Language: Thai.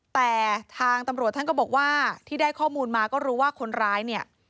แต่ทางตำรวจท่านก็บอกว่าที่ได้ข้อมูลมาก็รู้ว่าคนร้ายเนี่ย